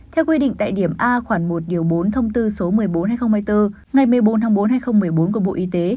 theo quy định tại điểm a khoảng một bốn thông tư số một mươi bốn hai nghìn hai mươi bốn ngày một mươi bốn tháng bốn hai nghìn một mươi bốn của bộ y tế